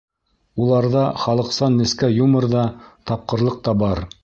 Уларҙа халыҡсан нескә юмор ҙа, тапҡырлыҡ та бар.